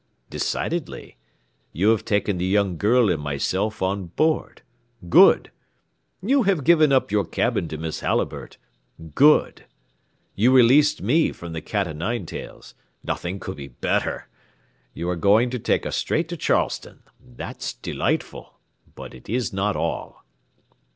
"Decidedly, you have taken the young girl and myself on board; good! You have given up your cabin to Miss Halliburtt; good! You released me from the cat o' nine tails; nothing could be better. You are going to take us straight to Charleston; that's delightful, but it is not all."